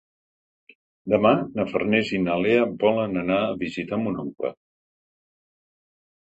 Demà na Farners i na Lea volen anar a visitar mon oncle.